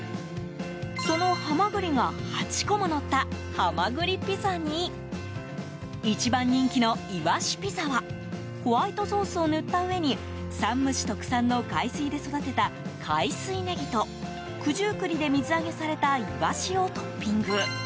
そのハマグリが８個ものったはまぐりピザに一番人気のいわしピザはホワイトソースを塗った上に山武市特産の海水で育てた海水ネギと九十九里で水揚げされたイワシをトッピング。